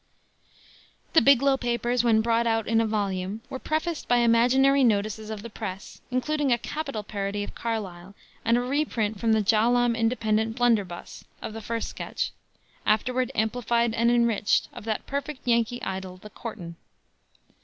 The Biglow Papers when brought out in a volume were prefaced by imaginary notices of the press, including a capital parody of Carlyle, and a reprint from the "Jaalam Independent Blunderbuss," of the first sketch afterward amplified and enriched of that perfect Yankee idyl, the Courtin'.